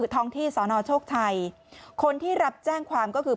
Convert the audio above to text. ท้องที่สอนอโชคชัยคนที่รับแจ้งความก็คือ